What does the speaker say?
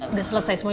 udah selesai semua ya